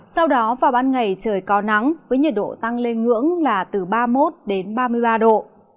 sau đó vào ban ngày trời có nắng với nhiệt độ tăng lên ngưỡng là từ ba mươi một đến ba mươi ba độ